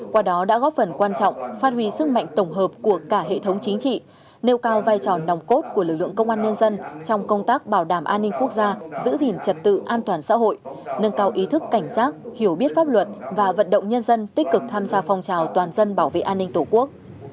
qua đó đã góp phần quan trọng phát huy sức mạnh tổng hợp của cả hệ thống chính trị nêu cao vai trò nòng cốt của lực lượng công an nhân dân trong công tác bảo đảm an ninh quốc gia giữ gìn trật tự an toàn xã hội nâng cao ý thức cảnh giác hiểu biết pháp luật và vận động nhân dân tích cực tham gia phong trào toàn dân bảo vệ an ninh tổ quốc